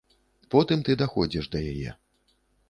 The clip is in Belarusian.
Потым ты даходзіш да яе.